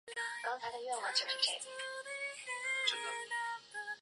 驾驶室大部份覆盖上皮革。